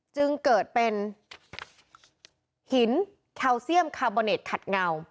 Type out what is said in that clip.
จึงเกิดเป็นหินแคลเซียมคาร์โบเน็ตขัดเงา